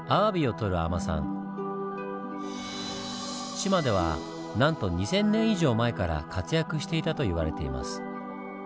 志摩ではなんと２０００年以上前から活躍していたと言われています。